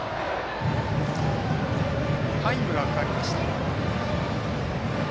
タイムがかかりました。